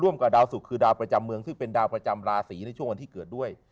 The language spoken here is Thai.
กับดาวสุกคือดาวประจำเมืองซึ่งเป็นดาวประจำราศีในช่วงวันที่เกิดด้วย